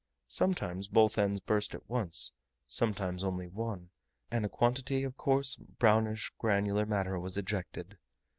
Sometimes both ends burst at once, sometimes only one, and a quantity of coarse, brownish, granular matter was ejected.